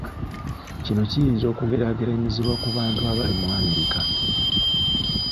Kino kiyinza okugeraageranyizibwa ku bantu abali mu America.